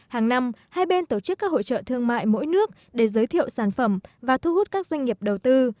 hàng năm hai bên tổ chức các hội trợ thương mại mỗi nước để giới thiệu sản phẩm và thu hút các doanh nghiệp đầu tư